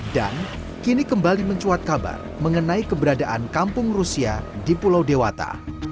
dan kini kembali mencuat kabar mengenai keberadaan kampung rusia di pulau dewata